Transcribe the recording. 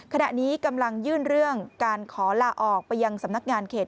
ขณะนี้กำลังยื่นเรื่องการขอลาออกไปยังสำนักงานเขต